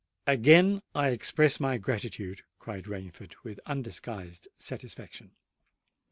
"Again I express my gratitude," cried Rainford, with undisguised satisfaction.